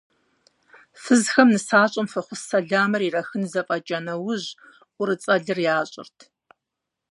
Фызхэм нысащӀэм фӀэхъус-сэламыр ирахын зэфӀэкӀа нэужь, ӀурыцӀэлъыр ящӀырт.